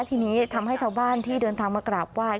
ทีนี้ทำให้ชาวบ้านที่เดินทางมากราบไหว้